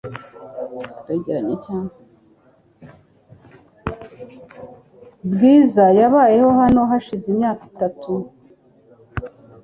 Bwiza yabayeho hano hashize imyaka itatu .